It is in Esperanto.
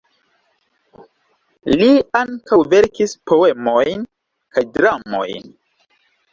Li ankaŭ verkis poemojn kaj dramojn.